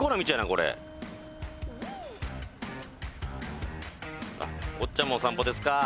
これあっおっちゃんもお散歩ですか？